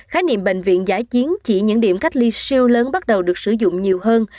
khái niệm bệnh viện giã chiến chỉ những điểm cách ly siêu lớn bắt đầu được sử dụng nhiều hơn